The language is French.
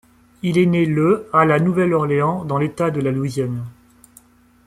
Il est né le à La Nouvelle-Orléans dans l'État de la Louisiane.